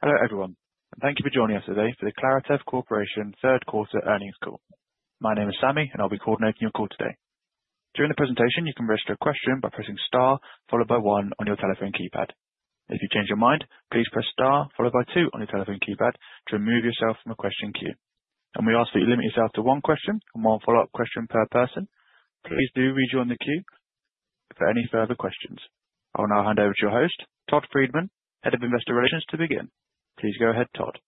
Hello everyone, and thank you for joining us today for the Claritev Corporation Third Quarter Earnings Call. My name is Sammy, and I'll be coordinating your call today. During the presentation, you can register a question by pressing star followed by one on your telephone keypad. If you change your mind, please press star followed by two on your telephone keypad to remove yourself from a question queue. And we ask that you limit yourself to one question and one follow-up question per person. Please do rejoin the queue for any further questions. I'll now hand over to your host, Todd Friedman, Head of Investor Relations, to begin. Please go ahead, Todd.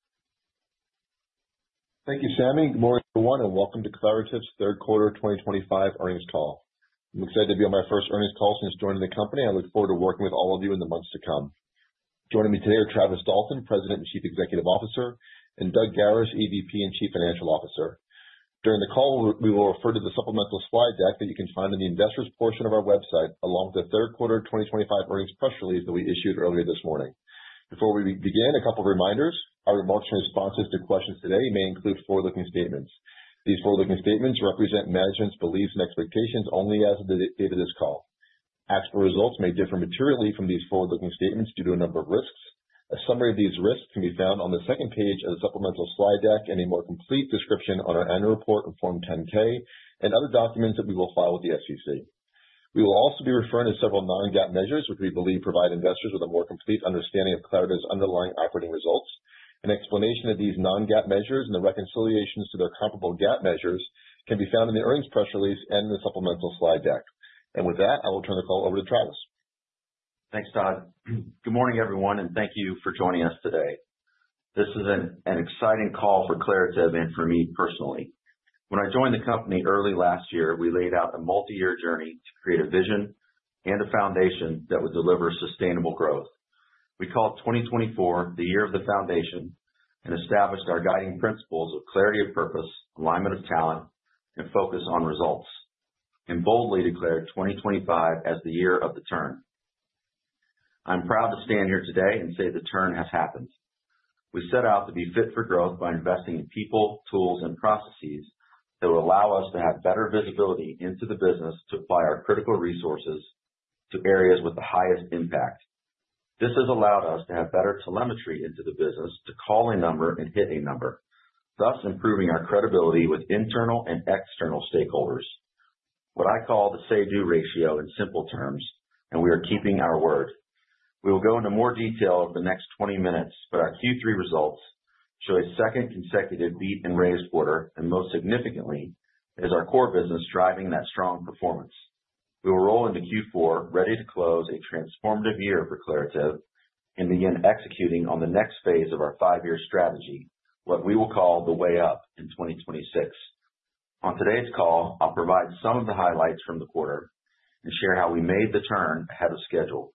Thank you, Sammy. Good morning everyone, and welcome to Claritev's Third Quarter 2025 Earnings Call. I'm excited to be on my first earnings call since joining the company, and I look forward to working with all of you in the months to come. Joining me today are Travis Dalton, President and Chief Executive Officer, and Doug Garis, EVP and Chief Financial Officer. During the call, we will refer to the supplemental slide deck that you can find in the Investors portion of our website, along with the Third Quarter 2025 earnings press release that we issued earlier this morning. Before we begin, a couple of reminders: our remarks and responses to questions today may include forward-looking statements. These forward-looking statements represent management's beliefs and expectations only as of the date of this call. Actual results may differ materially from these forward-looking statements due to a number of risks. A summary of these risks can be found on the second page of the supplemental slide deck and a more complete description on our annual report, Form 10-K, and other documents that we will file with the SEC. We will also be referring to several non-GAAP measures, which we believe provide investors with a more complete understanding of Claritev's underlying operating results. An explanation of these non-GAAP measures and the reconciliations to their comparable GAAP measures can be found in the earnings press release and in the supplemental slide deck, and with that, I will turn the call over to Travis. Thanks, Todd. Good morning everyone, and thank you for joining us today. This is an exciting call for Claritev and for me personally. When I joined the company early last year, we laid out a multi-year journey to create a vision and a foundation that would deliver sustainable growth. We called 2024 the year of the foundation and established our guiding principles of clarity of purpose, alignment of talent, and focus on results, and boldly declared 2025 as the year of the turn. I'm proud to stand here today and say the turn has happened. We set out to be fit for growth by investing in people, tools, and processes that will allow us to have better visibility into the business to apply our critical resources to areas with the highest impact. This has allowed us to have better telemetry into the business to call a number and hit a number, thus improving our credibility with internal and external stakeholders. What I call the Say-Do Ratio in simple terms, and we are keeping our word. We will go into more detail over the next 20 minutes, but our Q3 results show a second consecutive beat-and-raise order, and most significantly, it is our core business driving that strong performance. We will roll into Q4, ready to close a transformative year for Claritev and begin executing on the next phase of our five-year strategy, what we will call the way up in 2026. On today's call, I'll provide some of the highlights from the quarter and share how we made the turn ahead of schedule.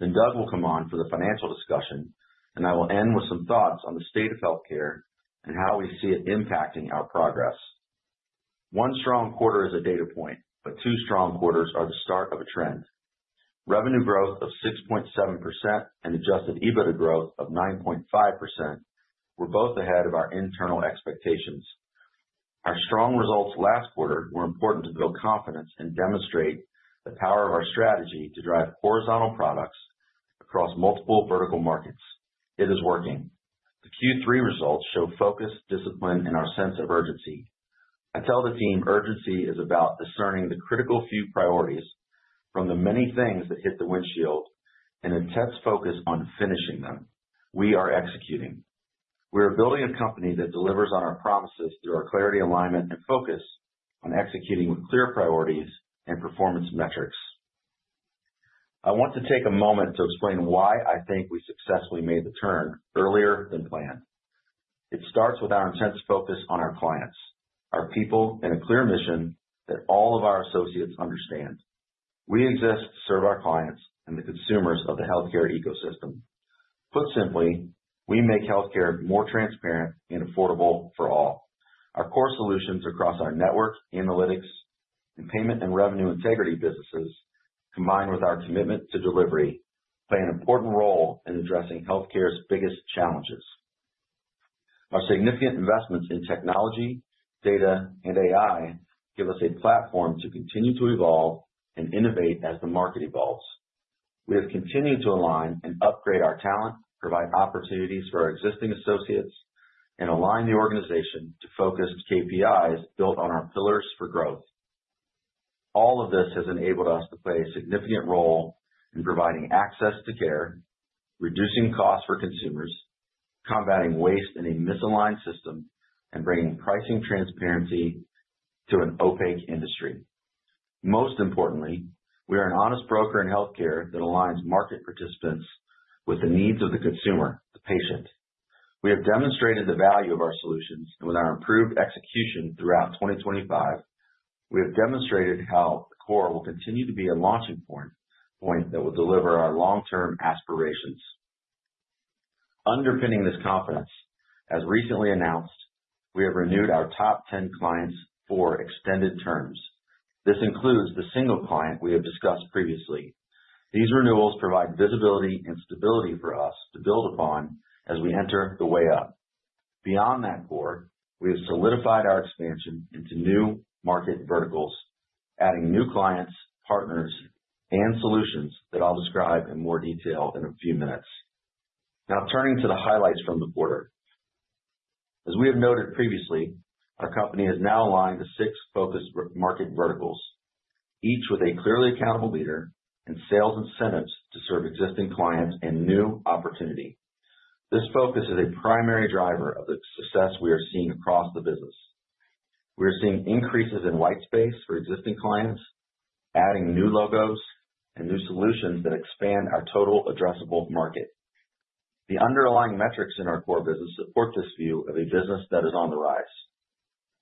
Then Doug will come on for the financial discussion, and I will end with some thoughts on the state of healthcare and how we see it impacting our progress. One strong quarter is a data point, but two strong quarters are the start of a trend. Revenue growth of 6.7% and Adjusted EBITDA growth of 9.5% were both ahead of our internal expectations. Our strong results last quarter were important to build confidence and demonstrate the power of our strategy to drive horizontal products across multiple vertical markets. It is working. The Q3 results show focus, discipline, and our sense of urgency. I tell the team urgency is about discerning the critical few priorities from the many things that hit the windshield and intense focus on finishing them. We are executing. We are building a company that delivers on our promises through our clarity, alignment, and focus on executing with clear priorities and performance metrics. I want to take a moment to explain why I think we successfully made the turn earlier than planned. It starts with our intense focus on our clients, our people, and a clear mission that all of our associates understand. We exist to serve our clients and the consumers of the healthcare ecosystem. Put simply, we make healthcare more transparent and affordable for all. Our core solutions across our network, analytics, and payment and revenue integrity businesses, combined with our commitment to delivery, play an important role in addressing healthcare's biggest challenges. Our significant investments in technology, data, and AI give us a platform to continue to evolve and innovate as the market evolves. We have continued to align and upgrade our talent, provide opportunities for our existing associates, and align the organization to focused KPIs built on our pillars for growth. All of this has enabled us to play a significant role in providing access to care, reducing costs for consumers, combating waste in a misaligned system, and bringing pricing transparency to an opaque industry. Most importantly, we are an honest broker in healthcare that aligns market participants with the needs of the consumer, the patient. We have demonstrated the value of our solutions, and with our improved execution throughout 2025, we have demonstrated how the core will continue to be a launching point that will deliver our long-term aspirations. Underpinning this confidence, as recently announced, we have renewed our top 10 clients for extended terms. This includes the single client we have discussed previously. These renewals provide visibility and stability for us to build upon as we enter the way up. Beyond that core, we have solidified our expansion into new market verticals, adding new clients, partners, and solutions that I'll describe in more detail in a few minutes. Now, turning to the highlights from the quarter. As we have noted previously, our company has now aligned to six focused market verticals, each with a clearly accountable leader and sales incentives to serve existing clients and new opportunity. This focus is a primary driver of the success we are seeing across the business. We are seeing increases in white space for existing clients, adding new logos, and new solutions that expand our total addressable market. The underlying metrics in our core business support this view of a business that is on the rise.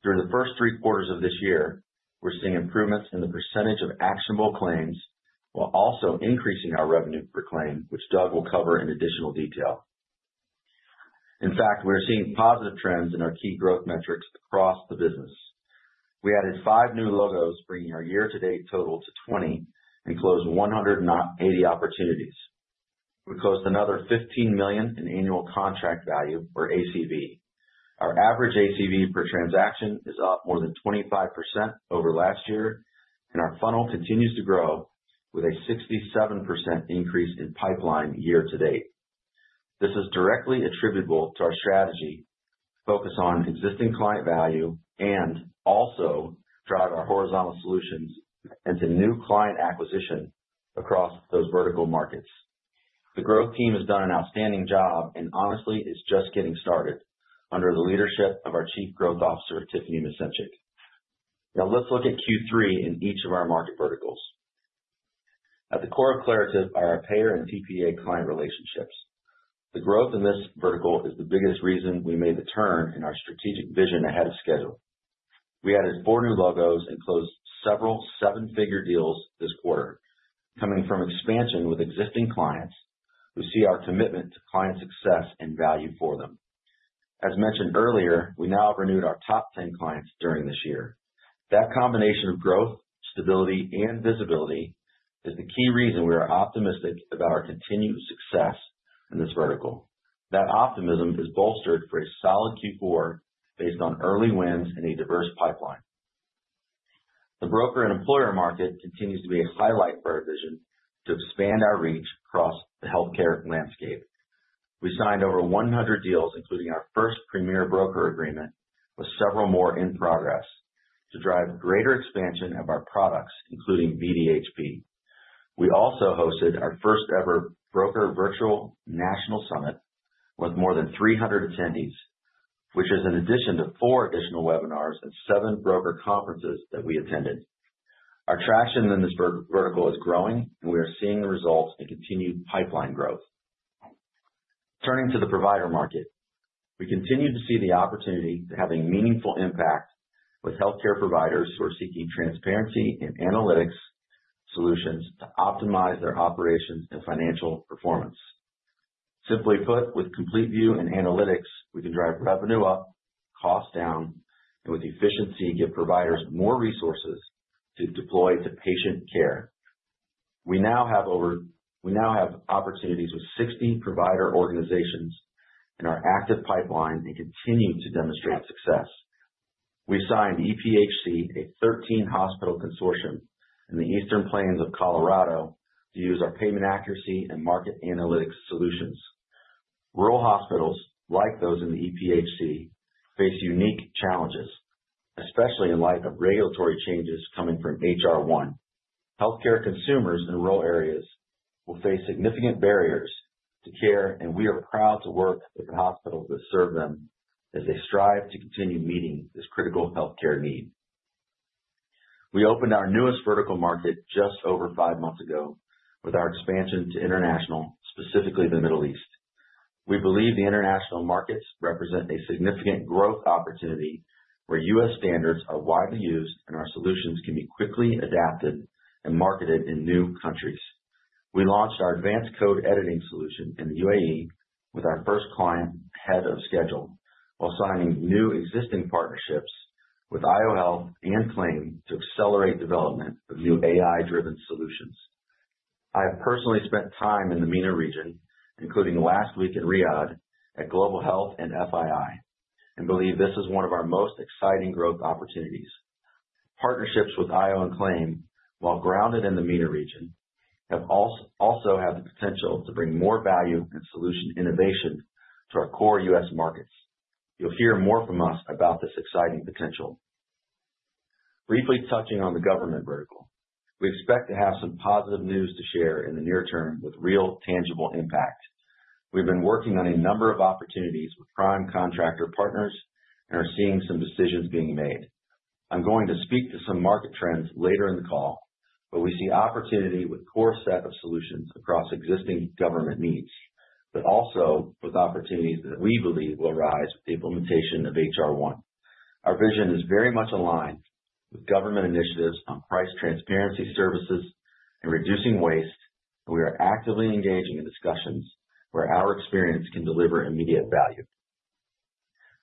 During the first three quarters of this year, we're seeing improvements in the percentage of actionable claims while also increasing our revenue per claim, which Doug will cover in additional detail. In fact, we're seeing positive trends in our key growth metrics across the business. We added five new logos, bringing our year-to-date total to 20 and closed 180 opportunities. We closed another $15 million in annual contract value, or ACV. Our average ACV per transaction is up more than 25% over last year, and our funnel continues to grow with a 67% increase in pipeline year-to-date. This is directly attributable to our strategy, focus on existing client value, and also drive our horizontal solutions into new client acquisition across those vertical markets. The growth team has done an outstanding job, and honestly, it's just getting started under the leadership of our Chief Growth Officer, Tiffani Misencik. Now, let's look at Q3 in each of our market verticals. At the core of Claritev are our payer and TPA client relationships. The growth in this vertical is the biggest reason we made the turn in our strategic vision ahead of schedule. We added four new logos and closed several seven-figure deals this quarter, coming from expansion with existing clients who see our commitment to client success and value for them. As mentioned earlier, we now have renewed our top 10 clients during this year. That combination of growth, stability, and visibility is the key reason we are optimistic about our continued success in this vertical. That optimism is bolstered for a solid Q4 based on early wins and a diverse pipeline. The broker and employer market continues to be a highlight for our vision to expand our reach across the healthcare landscape. We signed over 100 deals, including our first premier broker agreement, with several more in progress to drive greater expansion of our products, including VDHP. We also hosted our first-ever broker virtual national summit with more than 300 attendees, which is in addition to four additional webinars and seven broker conferences that we attended. Our traction in this vertical is growing, and we are seeing the results and continued pipeline growth. Turning to the provider market, we continue to see the opportunity to have a meaningful impact with healthcare providers who are seeking transparency and analytics solutions to optimize their operations and financial performance. Simply put, with complete view and analytics, we can drive revenue up, cost down, and with efficiency, give providers more resources to deploy to patient care. We now have opportunities with 60 provider organizations in our active pipeline and continue to demonstrate success. We signed EPHC, a 13-hospital consortium in the Eastern Plains of Colorado, to use our payment accuracy and market analytics solutions. Rural hospitals, like those in the EPHC, face unique challenges, especially in light of regulatory changes coming from HR1. Healthcare consumers in rural areas will face significant barriers to care, and we are proud to work with the hospitals that serve them as they strive to continue meeting this critical healthcare need. We opened our newest vertical market just over five months ago with our expansion to international, specifically the Middle East. We believe the international markets represent a significant growth opportunity where U.S. standards are widely used and our solutions can be quickly adapted and marketed in new countries. We launched our Advanced Code Editing solution in the UAE with our first client ahead of schedule while signing new existing partnerships with IO Health and Klaim to accelerate development of new AI-driven solutions. I have personally spent time in the MENA region, including last week in Riyadh at Global Health and FII, and believe this is one of our most exciting growth opportunities. Partnerships with IO and Klaim, while grounded in the MENA region, also have the potential to bring more value and solution innovation to our core U.S. markets. You'll hear more from us about this exciting potential. Briefly touching on the government vertical, we expect to have some positive news to share in the near term with real tangible impact. We've been working on a number of opportunities with prime contractor partners and are seeing some decisions being made. I'm going to speak to some market trends later in the call, but we see opportunity with a core set of solutions across existing government needs, but also with opportunities that we believe will arise with the implementation of HR1. Our vision is very much aligned with government initiatives on price transparency services and reducing waste, and we are actively engaging in discussions where our experience can deliver immediate value.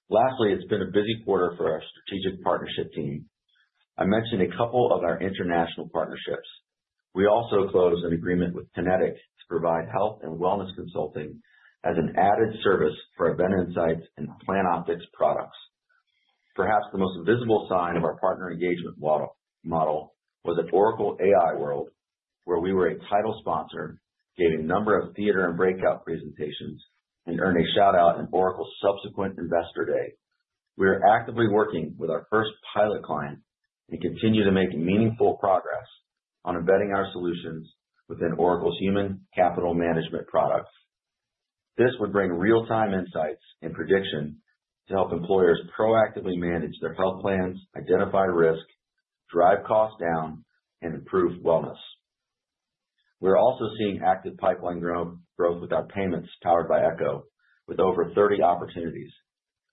Lastly, it's been a busy quarter for our strategic partnership team. I mentioned a couple of our international partnerships. We also closed an agreement with Kinetic to provide health and wellness consulting as an added service for BenInsights and PlanOptix products. Perhaps the most visible sign of our partner engagement model was at Oracle AI World, where we were a title sponsor, gave a number of theater and breakout presentations, and earned a shout-out at Oracle's subsequent investor day. We are actively working with our first pilot client and continue to make meaningful progress on embedding our solutions within Oracle's human capital management products. This would bring real-time insights and prediction to help employers proactively manage their health plans, identify risk, drive costs down, and improve wellness. We're also seeing active pipeline growth with our Payments powered by Echo, with over 30 opportunities.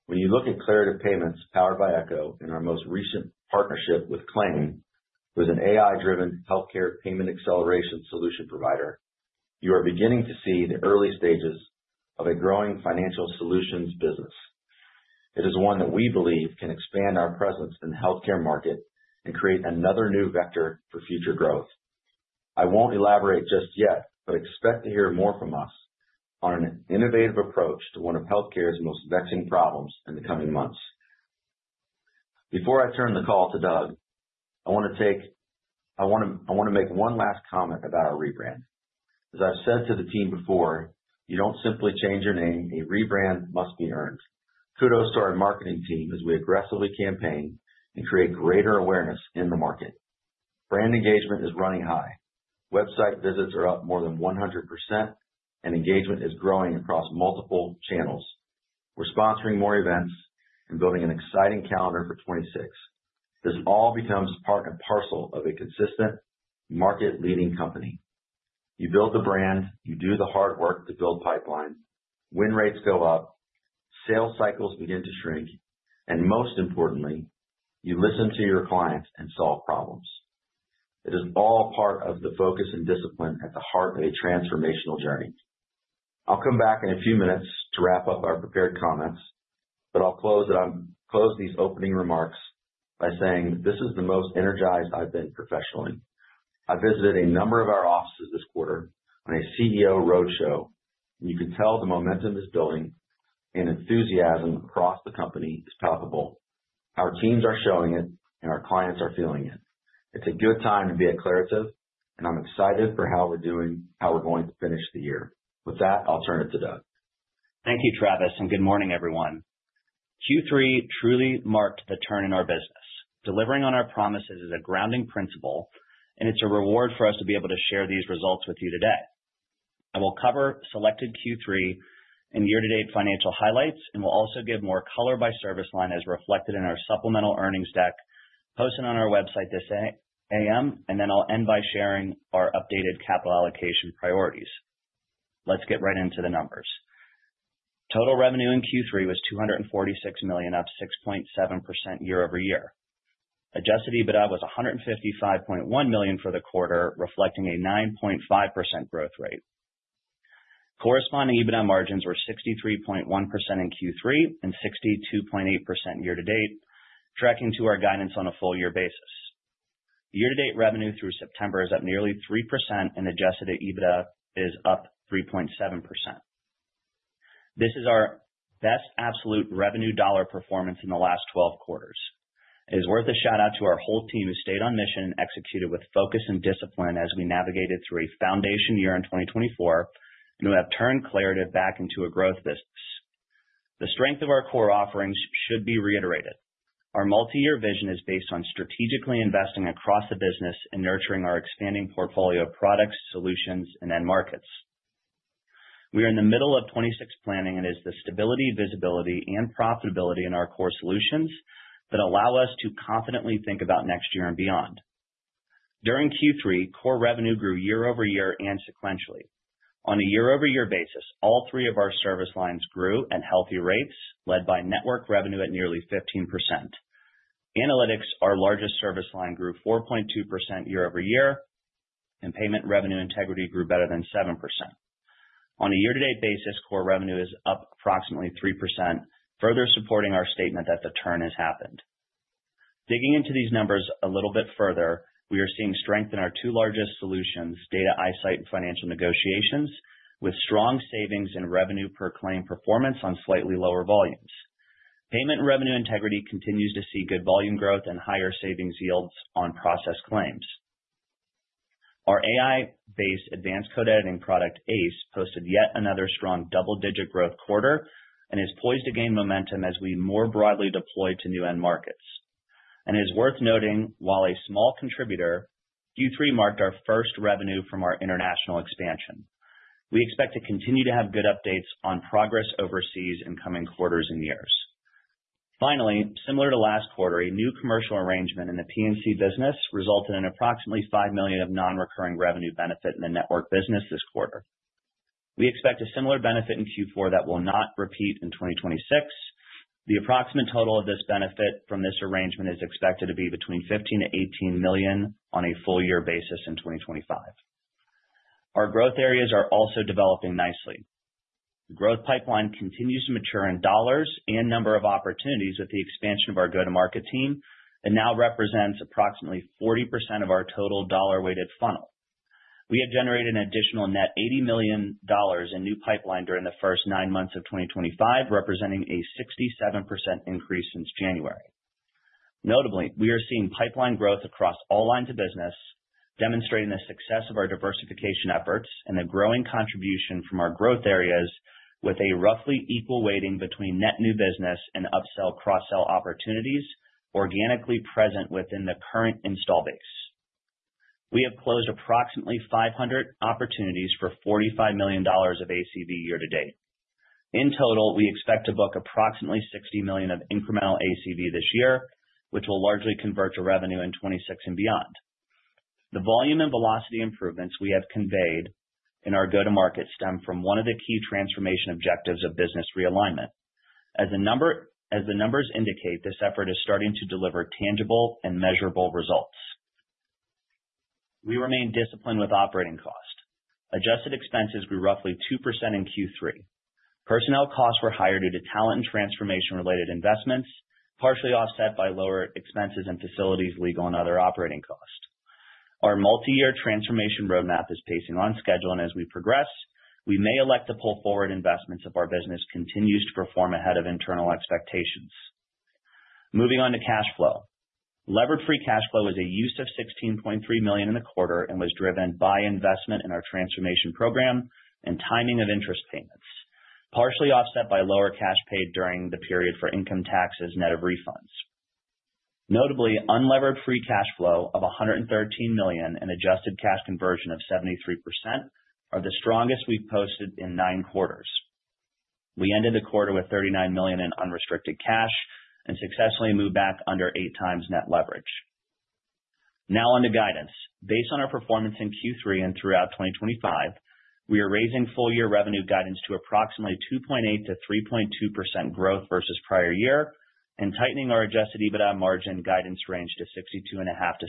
When you look at Claritev Payments powered by Echo in our most recent partnership with Klaim, who is an AI-driven healthcare payment acceleration solution provider, you are beginning to see the early stages of a growing financial solutions business. It is one that we believe can expand our presence in the healthcare market and create another new vector for future growth. I won't elaborate just yet, but expect to hear more from us on an innovative approach to one of healthcare's most vexing problems in the coming months. Before I turn the call to Doug, I want to make one last comment about our rebrand. As I've said to the team before, you don't simply change your name. A rebrand must be earned. Kudos to our marketing team as we aggressively campaign and create greater awareness in the market. Brand engagement is running high. Website visits are up more than 100%, and engagement is growing across multiple channels. We're sponsoring more events and building an exciting calendar for 2026. This all becomes part and parcel of a consistent market-leading company. You build the brand, you do the hard work to build pipelines, win rates go up, sales cycles begin to shrink, and most importantly, you listen to your clients and solve problems. It is all part of the focus and discipline at the heart of a transformational journey. I'll come back in a few minutes to wrap up our prepared comments, but I'll close these opening remarks by saying this is the most energized I've been professionally. I visited a number of our offices this quarter on a CEO roadshow, and you can tell the momentum is building and enthusiasm across the company is palpable. Our teams are showing it, and our clients are feeling it. It's a good time to be at Claritev, and I'm excited for how we're doing, how we're going to finish the year. With that, I'll turn it to Doug. Thank you, Travis, and good morning, everyone. Q3 truly marked the turn in our business. Delivering on our promises is a grounding principle, and it's a reward for us to be able to share these results with you today. I will cover selected Q3 and year-to-date financial highlights, and will also give more color by service line as reflected in our supplemental earnings deck posted on our website this A.M., and then I'll end by sharing our updated capital allocation priorities. Let's get right into the numbers. Total revenue in Q3 was $246 million, up 6.7% year-over-year. Adjusted EBITDA was $155.1 million for the quarter, reflecting a 9.5% growth rate. Corresponding EBITDA margins were 63.1% in Q3 and 62.8% year-to-date, tracking to our guidance on a full-year basis. Year-to-date revenue through September is up nearly 3%, and adjusted EBITDA is up 3.7%. This is our best absolute revenue dollar performance in the last 12 quarters. It is worth a shout-out to our whole team who stayed on mission and executed with focus and discipline as we navigated through a foundation year in 2024, and we have turned Claritev back into a growth business. The strength of our core offerings should be reiterated. Our multi-year vision is based on strategically investing across the business and nurturing our expanding portfolio of products, solutions, and end markets. We are in the middle of 2026 planning, and it is the stability, visibility, and profitability in our core solutions that allow us to confidently think about next year and beyond. During Q3, core revenue grew year-over-year and sequentially. On a year-over-year basis, all three of our service lines grew at healthy rates, led by network revenue at nearly 15%. Analytics, our largest service line, grew 4.2% year-over-year, and payment revenue integrity grew better than 7%. On a year-to-date basis, core revenue is up approximately 3%, further supporting our statement that the turn has happened. Digging into these numbers a little bit further, we are seeing strength in our two largest solutions, Data iSight and Financial Negotiations, with strong savings and revenue per claim performance on slightly lower volumes. Payment revenue integrity continues to see good volume growth and higher savings yields on process claims. Our AI-based advanced code editing product, ACE, posted yet another strong double-digit growth quarter and is poised to gain momentum as we more broadly deploy to new end markets, and it is worth noting, while a small contributor, Q3 marked our first revenue from our international expansion. We expect to continue to have good updates on progress overseas in coming quarters and years. Finally, similar to last quarter, a new commercial arrangement in the P&C business resulted in approximately $5 million of non-recurring revenue benefit in the network business this quarter. We expect a similar benefit in Q4 that will not repeat in 2026. The approximate total of this benefit from this arrangement is expected to be between $15 million-$18 million on a full-year basis in 2025. Our growth areas are also developing nicely. The growth pipeline continues to mature in dollars and number of opportunities with the expansion of our go-to-market team and now represents approximately 40% of our total dollar-weighted funnel. We have generated an additional net $80 million in new pipeline during the first nine months of 2025, representing a 67% increase since January. Notably, we are seeing pipeline growth across all lines of business, demonstrating the success of our diversification efforts and the growing contribution from our growth areas with a roughly equal weighting between net new business and upsell/cross-sell opportunities organically present within the current install base. We have closed approximately 500 opportunities for $45 million of ACV year-to-date. In total, we expect to book approximately $60 million of incremental ACV this year, which will largely convert to revenue in 2026 and beyond. The volume and velocity improvements we have conveyed in our go-to-market stem from one of the key transformation objectives of business realignment. As the numbers indicate, this effort is starting to deliver tangible and measurable results. We remain disciplined with operating cost. Adjusted expenses grew roughly 2% in Q3. Personnel costs were higher due to talent and transformation-related investments, partially offset by lower expenses and facilities, legal, and other operating costs. Our multi-year transformation roadmap is pacing on schedule, and as we progress, we may elect to pull forward investments if our business continues to perform ahead of internal expectations. Moving on to cash flow. Levered Free Cash Flow was a use of $16.3 million in the quarter and was driven by investment in our transformation program and timing of interest payments, partially offset by lower cash paid during the period for income taxes, net of refunds. Notably, Unlevered Free Cash Flow of $113 million and adjusted cash conversion of 73% are the strongest we've posted in nine quarters. We ended the quarter with $39 million in unrestricted cash and successfully moved back under eight times net leverage. Now on to guidance. Based on our performance in Q3 and throughout 2025, we are raising full-year revenue guidance to approximately 2.8%-3.2% growth versus prior year and tightening our Adjusted EBITDA margin guidance range to 62.5%-63%.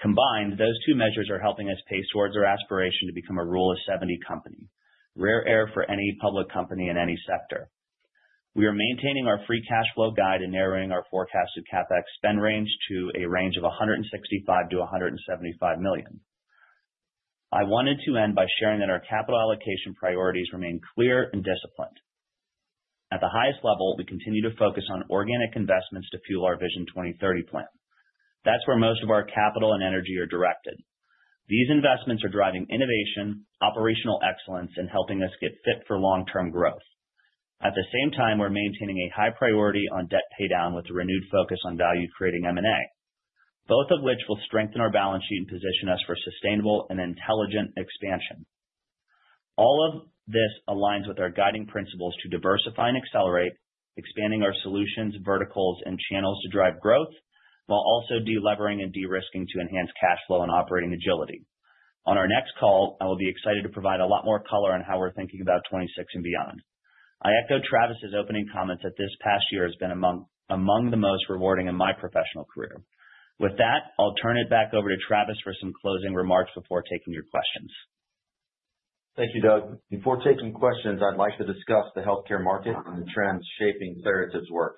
Combined, those two measures are helping us pace towards our aspiration to become a Rule of 70 company, rare air for any public company in any sector. We are maintaining our free cash flow guide and narrowing our forecasted CapEx spend range to a range of $165 million-$175 million. I wanted to end by sharing that our capital allocation priorities remain clear and disciplined. At the highest level, we continue to focus on organic investments to fuel our Vision 2030 plan. That's where most of our capital and energy are directed. These investments are driving innovation, operational excellence, and helping us get fit for long-term growth. At the same time, we're maintaining a high priority on debt paydown with a renewed focus on value-creating M&A, both of which will strengthen our balance sheet and position us for sustainable and intelligent expansion. All of this aligns with our guiding principles to diversify and accelerate, expanding our solutions, verticals, and channels to drive growth, while also delevering and de-risking to enhance cash flow and operating agility. On our next call, I will be excited to provide a lot more color on how we're thinking about 2026 and beyond. I echo Travis's opening comments that this past year has been among the most rewarding in my professional career. With that, I'll turn it back over to Travis for some closing remarks before taking your questions. Thank you, Doug. Before taking questions, I'd like to discuss the healthcare market and the trends shaping Claritev's work.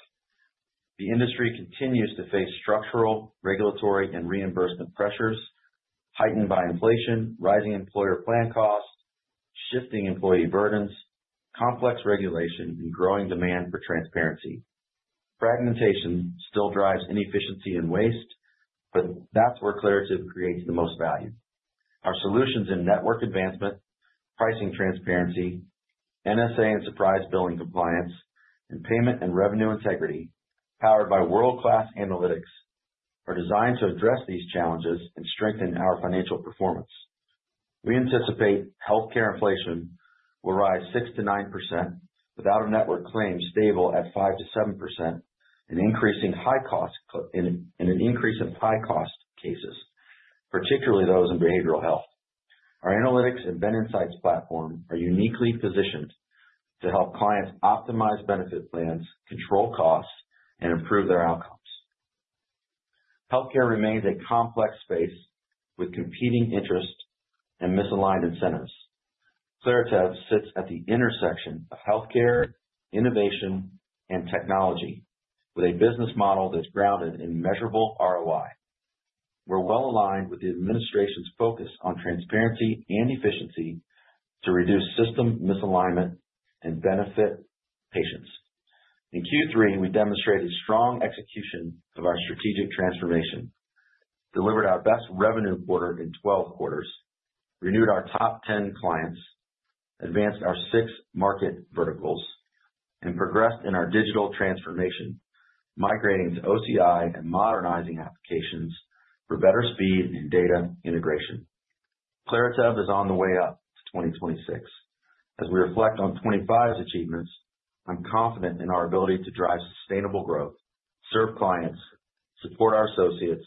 The industry continues to face structural, regulatory, and reimbursement pressures heightened by inflation, rising employer plan costs, shifting employee burdens, complex regulation, and growing demand for transparency. Fragmentation still drives inefficiency and waste, but that's where Claritev creates the most value. Our solutions in network advancement, pricing transparency, NSA and surprise billing compliance, and payment and revenue integrity, powered by world-class analytics, are designed to address these challenges and strengthen our financial performance. We anticipate healthcare inflation will rise 6%-9%, with out-of-network claims stable at 5%-7%, and an increase of high-cost cases, particularly those in behavioral health. Our analytics and Ben Insights platform are uniquely positioned to help clients optimize benefit plans, control costs, and improve their outcomes. Healthcare remains a complex space with competing interests and misaligned incentives. Claritev sits at the intersection of healthcare, innovation, and technology, with a business model that's grounded in measurable ROI. We're well aligned with the administration's focus on transparency and efficiency to reduce system misalignment and benefit patients. In Q3, we demonstrated strong execution of our strategic transformation, delivered our best revenue quarter in 12 quarters, renewed our top 10 clients, advanced our six market verticals, and progressed in our digital transformation, migrating to OCI and modernizing applications for better speed and data integration. Claritev is on the way up to 2026. As we reflect on 2025's achievements, I'm confident in our ability to drive sustainable growth, serve clients, support our associates,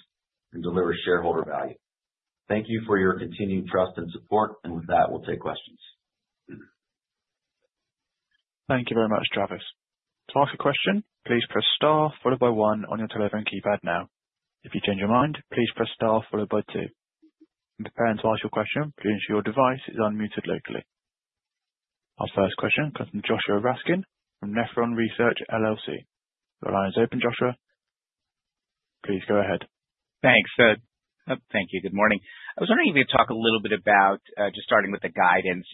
and deliver shareholder value. Thank you for your continued trust and support, and with that, we'll take questions. Thank you very much, Travis. To ask a question, please press star followed by one on your telephone keypad now. If you change your mind, please press star followed by two. In preparing to ask your question, please ensure your device is unmuted locally. Our first question comes from Joshua Raskin from Nephron Research LLC. Your line is open, Joshua. Please go ahead. Thanks, Todd. Thank you. Good morning. I was wondering if we could talk a little bit about just starting with the guidance,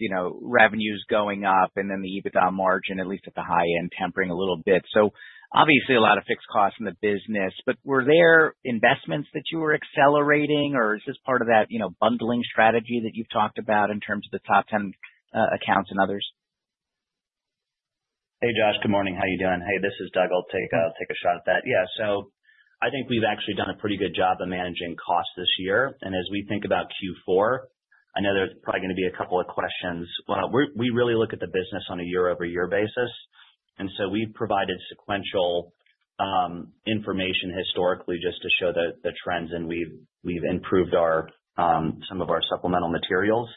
revenues going up, and then the EBITDA margin, at least at the high end, tempering a little bit. So obviously, a lot of fixed costs in the business, but were there investments that you were accelerating, or is this part of that bundling strategy that you've talked about in terms of the top 10 accounts and others? Hey, Josh. Good morning. How are you doing? Hey, this is Doug. I'll take a shot at that. Yeah. I think we've actually done a pretty good job of managing costs this year. And as we think about Q4, I know there's probably going to be a couple of questions. We really look at the business on a year-over-year basis. And so we've provided sequential information historically just to show the trends, and we've improved some of our supplemental materials.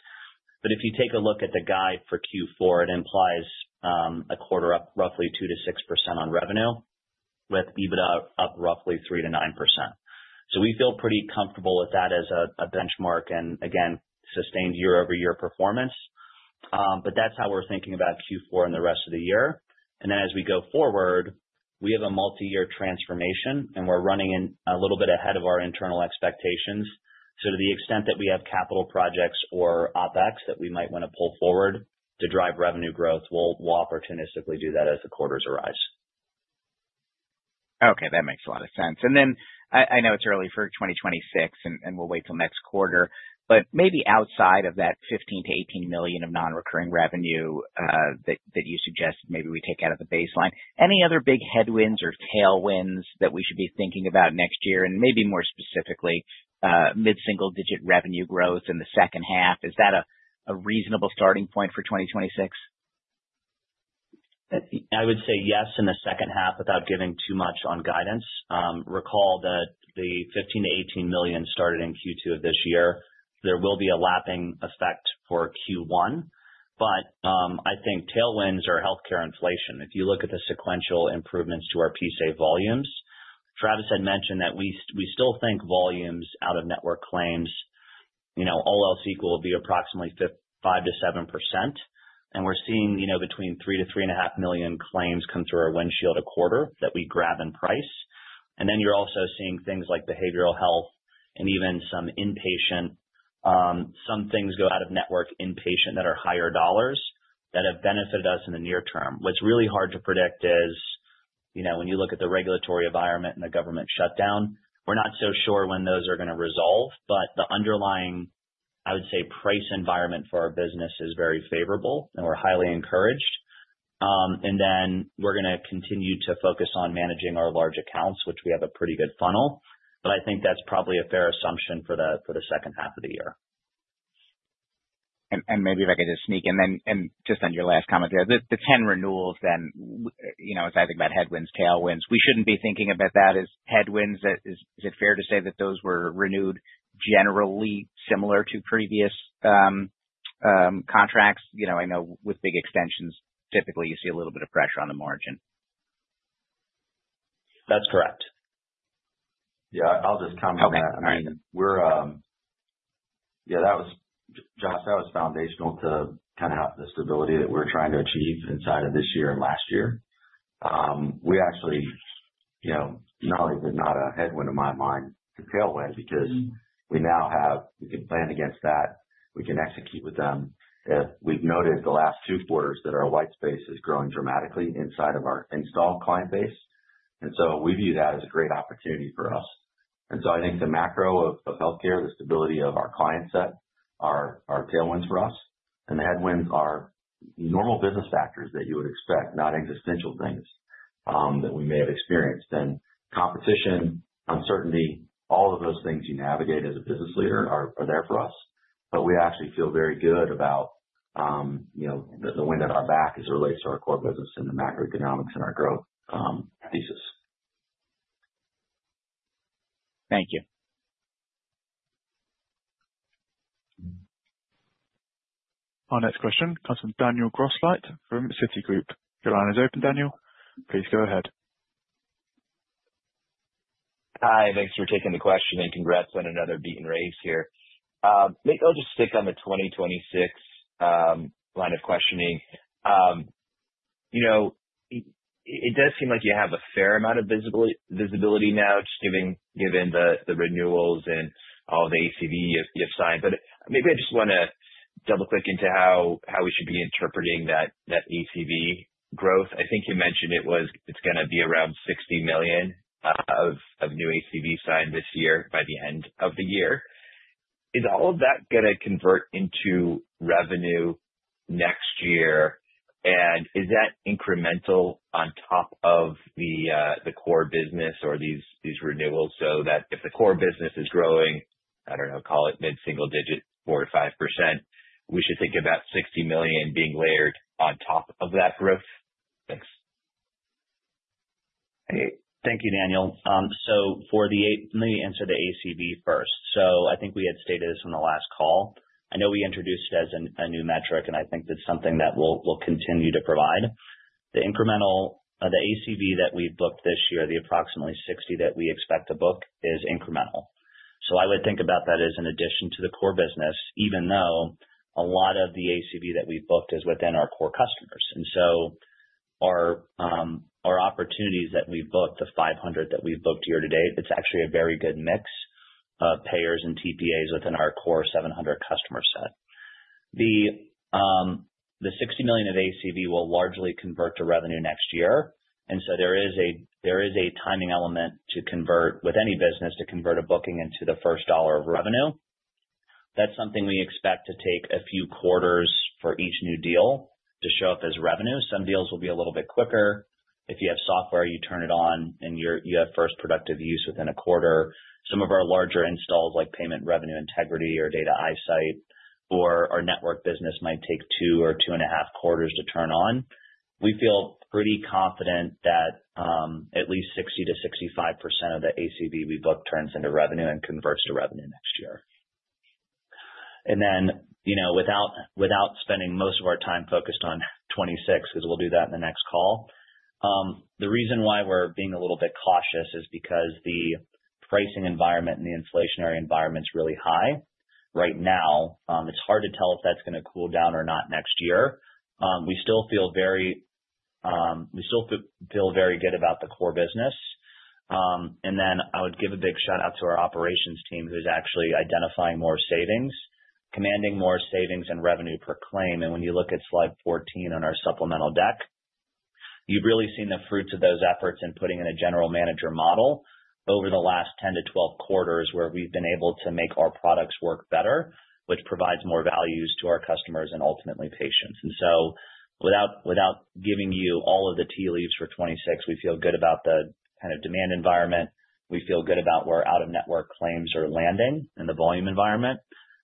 But if you take a look at the guide for Q4, it implies a quarter up roughly 2%-6% on revenue, with EBITDA up roughly 3%-9%. So we feel pretty comfortable with that as a benchmark and, again, sustained year-over-year performance. But that's how we're thinking about Q4 and the rest of the year. And then as we go forward, we have a multi-year transformation, and we're running a little bit ahead of our internal expectations. To the extent that we have capital projects or OpEx that we might want to pull forward to drive revenue growth, we'll opportunistically do that as the quarters arise. Okay. That makes a lot of sense. And then I know it's early for 2026, and we'll wait till next quarter, but maybe outside of that $15 million-$18 million of non-recurring revenue that you suggested maybe we take out of the baseline, any other big headwinds or tailwinds that we should be thinking about next year? And maybe more specifically, mid-single-digit revenue growth in the second half, is that a reasonable starting point for 2026? I would say yes in the second half without giving too much on guidance. Recall that the $15 million-$18 million started in Q2 of this year. There will be a lapping effect for Q1, but I think tailwinds are healthcare inflation. If you look at the sequential improvements to our PSA volumes, Travis had mentioned that we still think volumes out of network claims, all else equal, will be approximately 5%-7%. We're seeing between 3-3.5 million claims come through our windshield a quarter that we grab and price. Then you're also seeing things like behavioral health and even some inpatient, some things go out of network inpatient that are higher dollars that have benefited us in the near term. What's really hard to predict is when you look at the regulatory environment and the government shutdown. We're not so sure when those are going to resolve, but the underlying, I would say, price environment for our business is very favorable, and we're highly encouraged. Then we're going to continue to focus on managing our large accounts, which we have a pretty good funnel, but I think that's probably a fair assumption for the second half of the year. Maybe I can just sneak in, and just on your last comment there, the 10 renewals then, as I think about headwinds, tailwinds, we shouldn't be thinking about that as headwinds. Is it fair to say that those were renewed generally similar to previous contracts? I know with big extensions, typically, you see a little bit of pressure on the margin. That's correct. Yeah. I'll just comment on that. I mean, Josh, that was foundational to kind of the stability that we're trying to achieve inside of this year and last year. We actually not only did not a headwind in my mind to tailwind because we now have. We can plan against that. We can execute with them. We've noted the last two quarters that our white space is growing dramatically inside of our installed client base, and so we view that as a great opportunity for us, and so I think the macro of healthcare, the stability of our client set, are tailwinds for us, and the headwinds are normal business factors that you would expect, not existential things that we may have experienced, and competition, uncertainty, all of those things you navigate as a business leader are there for us, but we actually feel very good about the wind at our back as it relates to our core business and the macroeconomics and our growth thesis. Thank you. Our next question comes from Daniel Grosslight from Citigroup. Your line is open, Daniel. Please go ahead. Hi. Thanks for taking the question and congrats on another beat and raise here. I'll just stick on the 2026 line of questioning. It does seem like you have a fair amount of visibility now, just given the renewals and all the ACV you've signed. But maybe I just want to double-click into how we should be interpreting that ACV growth. I think you mentioned it's going to be around $60 million of new ACV signed this year by the end of the year. Is all of that going to convert into revenue next year? And is that incremental on top of the core business or these renewals so that if the core business is growing, I don't know, call it mid-single-digit 4%-5%, we should think about $60 million being layered on top of that growth? Thanks. Thank you, Daniel. So let me answer the ACV first. So I think we had stated this on the last call. I know we introduced it as a new metric, and I think it's something that we'll continue to provide. The incremental ACV that we booked this year, the approximately $60 that we expect to book, is incremental. So I would think about that as an addition to the core business, even though a lot of the ACV that we booked is within our core customers. And so our opportunities that we've booked, the $500 that we've booked year-to-date, it's actually a very good mix of payers and TPAs within our core 700 customer set. The $60 million of ACV will largely convert to revenue next year. And so there is a timing element to convert with any business to convert a booking into the first dollar of revenue. That's something we expect to take a few quarters for each new deal to show up as revenue. Some deals will be a little bit quicker. If you have software, you turn it on, and you have first productive use within a quarter. Some of our larger installs, like payment revenue integrity or Data iSight or our network business, might take two or two and a half quarters to turn on. We feel pretty confident that at least 60%-65% of the ACV we book turns into revenue and converts to revenue next year. Then without spending most of our time focused on 2026, because we'll do that in the next call, the reason why we're being a little bit cautious is because the pricing environment and the inflationary environment is really high. Right now, it's hard to tell if that's going to cool down or not next year. We still feel very good about the core business. And then I would give a big shout-out to our operations team, who's actually identifying more savings, commanding more savings and revenue per claim. And when you look at slide 14 on our supplemental deck, you've really seen the fruits of those efforts in putting in a general manager model over the last 10 to 12 quarters where we've been able to make our products work better, which provides more values to our customers and ultimately patients. And so without giving you all of the tea leaves for 2026, we feel good about the kind of demand environment. We feel good about where out-of-network claims are landing in the volume environment.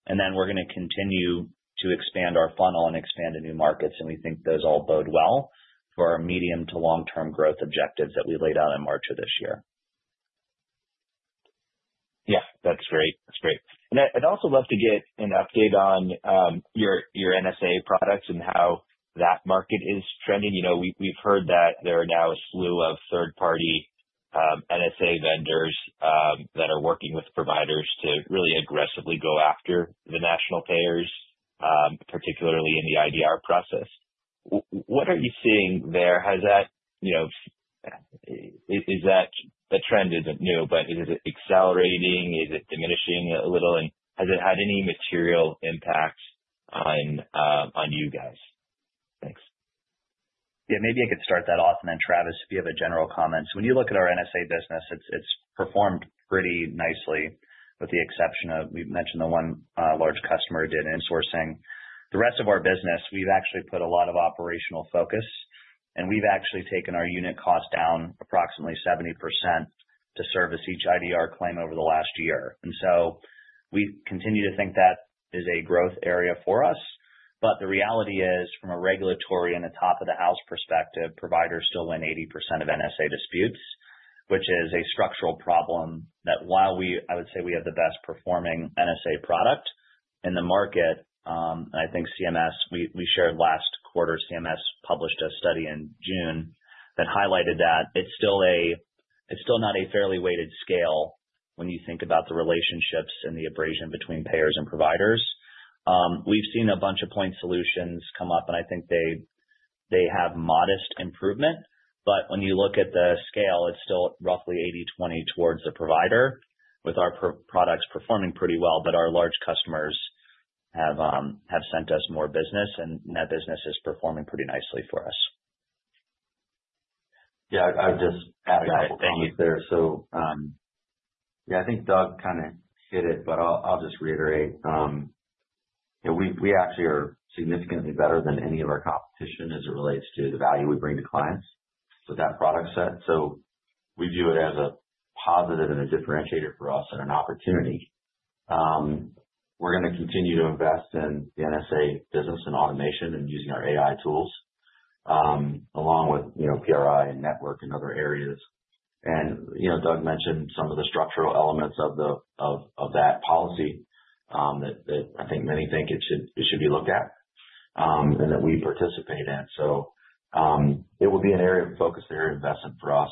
And then we're going to continue to expand our funnel and expand to new markets. And we think those all bode well for our medium to long-term growth objectives that we laid out in March of this year. Yeah. That's great. That's great. And I'd also love to get an update on your NSA products and how that market is trending. We've heard that there are now a slew of third-party NSA vendors that are working with providers to really aggressively go after the national payers, particularly in the IDR process. What are you seeing there? Is that the trend isn't new, but is it accelerating? Is it diminishing a little? And has it had any material impact on you guys? Thanks. Yeah. Maybe I could start that off. And then, Travis, if you have a general comment. So when you look at our NSA business, it's performed pretty nicely with the exception of we mentioned the one large customer did insourcing. The rest of our business, we've actually put a lot of operational focus, and we've actually taken our unit cost down approximately 70% to service each IDR claim over the last year. And so we continue to think that is a growth area for us. But the reality is, from a regulatory and a top-of-the-house perspective, providers still win 80% of NSA disputes, which is a structural problem that, while I would say we have the best-performing NSA product in the market, and I think CMS, we shared last quarter, CMS published a study in June that highlighted that it's still not a fairly weighted scale when you think about the relationships and the abrasion between payers and providers. We've seen a bunch of point solutions come up, and I think they have modest improvement. But when you look at the scale, it's still roughly 80/20 towards the provider, with our products performing pretty well, but our large customers have sent us more business, and that business is performing pretty nicely for us. Yeah. I would just add a couple of comments. Thank you, sir. So yeah, I think Doug kind of hit it, but I'll just reiterate. We actually are significantly better than any of our competition as it relates to the value we bring to clients with that product set. So we view it as a positive and a differentiator for us and an opportunity. We're going to continue to invest in the NSA business and automation and using our AI tools along with PRI and network and other areas. Doug mentioned some of the structural elements of that policy that I think many think it should be looked at and that we participate in. It will be an area of focus, area of investment for us.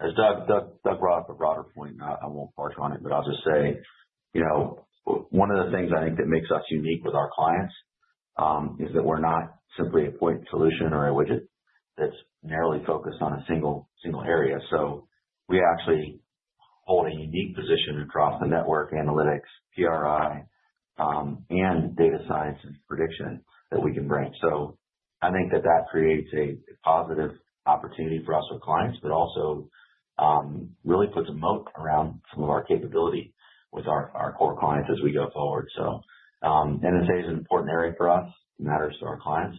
As Doug brought up a broader point, and I won't embark on it, but I'll just say one of the things I think that makes us unique with our clients is that we're not simply a point solution or a widget that's narrowly focused on a single area. We actually hold a unique position across the network, analytics, PRI, and data science and prediction that we can bring. I think that that creates a positive opportunity for us with clients, but also really puts a moat around some of our capability with our core clients as we go forward. NSA is an important area for us. It matters to our clients.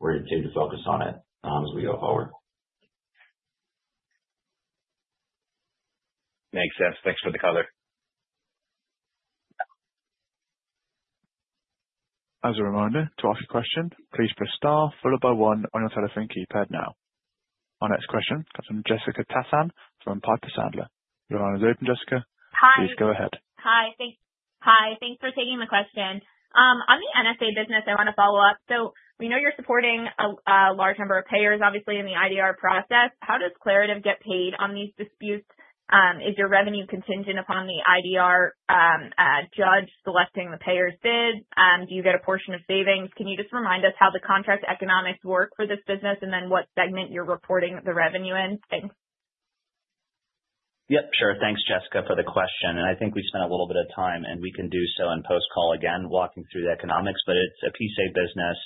We're going to continue to focus on it as we go forward. Makes sense. Thanks for the color. As a reminder, to ask a question, please press star followed by one on your telephone keypad now. Our next question comes from Jessica Tassan from Piper Sandler. Your line is open, Jessica. Hi. Please go ahead. Hi. Hi. Thanks for taking the question. On the NSA business, I want to follow up. So we know you're supporting a large number of payers, obviously, in the IDR process. How does Claritev get paid on these disputes? Is your revenue contingent upon the IDR judge selecting the payers' bids? Do you get a portion of savings? Can you just remind us how the contract economics work for this business and then what segment you're reporting the revenue in? Thanks. Yep. Sure. Thanks, Jessica, for the question. I think we spent a little bit of time, and we can do so on post-call again, walking through the economics, but it's a PSA business.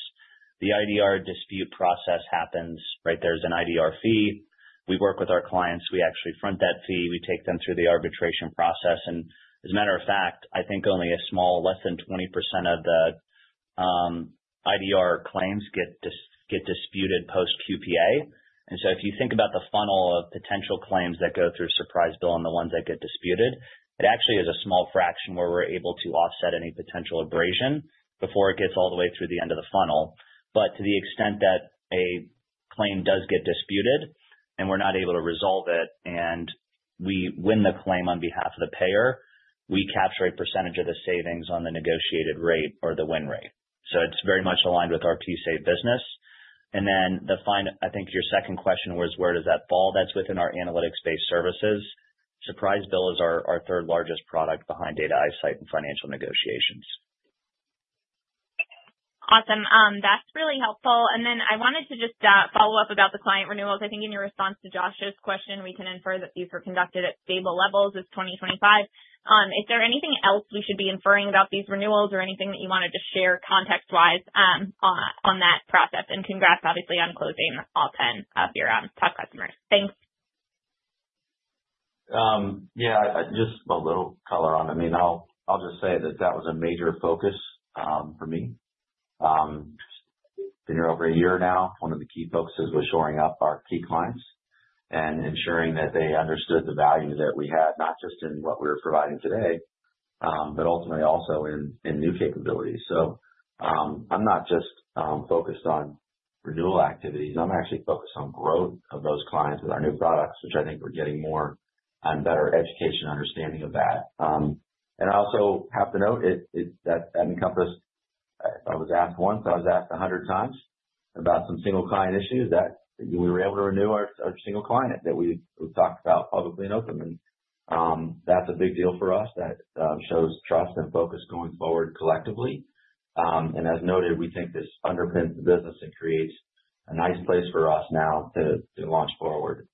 The IDR dispute process happens, right? There's an IDR fee. We work with our clients. We actually front that fee. We take them through the arbitration process, and as a matter of fact, I think only a small, less than 20% of the IDR claims get disputed post-QPA, and so if you think about the funnel of potential claims that go through surprise bill and the ones that get disputed, it actually is a small fraction where we're able to offset any potential abrasion before it gets all the way through the end of the funnel. But to the extent that a claim does get disputed and we're not able to resolve it and we win the claim on behalf of the payer, we capture a percentage of the savings on the negotiated rate or the win rate. So it's very much aligned with our PSA business. And then I think your second question was, where does that fall? That's within our analytics-based services. Surprise bill is our third largest product behind Data iSight and Financial Negotiations. Awesome. That's really helpful. And then I wanted to just follow up about the client renewals. I think in your response to Josh's question, we can infer that these were conducted at stable levels as 2025. Is there anything else we should be inferring about these renewals or anything that you wanted to share context-wise on that process? And congrats, obviously, on closing all 10 of your top customers. Thanks. Yeah. Just a little color on it. I mean, I'll just say that that was a major focus for me. It's been here over a year now. One of the key focuses was shoring up our key clients and ensuring that they understood the value that we had, not just in what we were providing today, but ultimately also in new capabilities. So I'm not just focused on renewal activities. I'm actually focused on growth of those clients with our new products, which I think we're getting more and better education and understanding of that. And I also have to note that I was asked 100 times about some single client issues that we were able to renew, our single client that we talked about publicly and openly. And that's a big deal for us. That shows trust and focus going forward collectively. As noted, we think this underpins the business and creates a nice place for us now to launch forward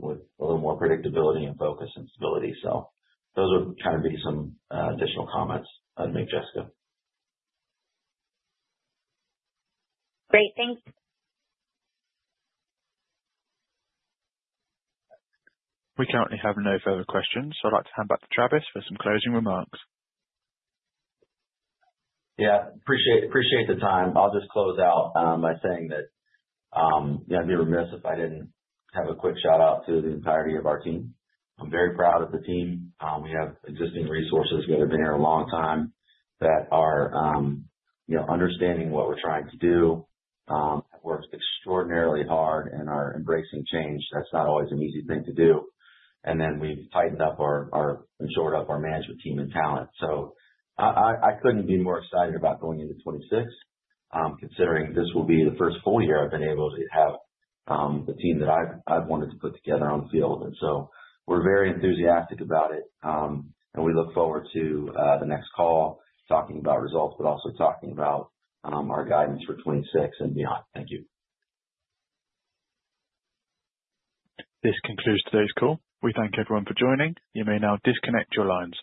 with a little more predictability and focus and stability. Those would kind of be some additional comments I'd make, Jessica. Great. Thanks. We currently have no further questions. I'd like to hand back to Travis for some closing remarks. Yeah. Appreciate the time. I'll just close out by saying that I'd be remiss if I didn't have a quick shout-out to the entirety of our team. I'm very proud of the team. We have existing resources that have been here a long time that are understanding what we're trying to do, have worked extraordinarily hard, and are embracing change. That's not always an easy thing to do. Then we've tightened up and shored up our management team and talent. So I couldn't be more excited about going into 2026, considering this will be the first full year I've been able to have the team that I've wanted to put together on the field. And so we're very enthusiastic about it. And we look forward to the next call talking about results, but also talking about our guidance for 2026 and beyond. Thank you. This concludes today's call. We thank everyone for joining. You may now disconnect your lines.